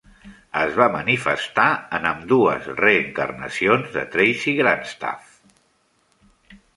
Es va manifestar en ambdues reencarnacions de Tracy Grandstaff.